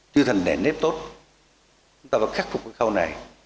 chưa thành đèn nếp tốt chúng ta phải khắc phục cái khâu này